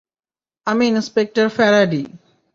আমি inspector Faraday.